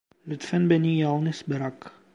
Lütfen beni yalnız bırak.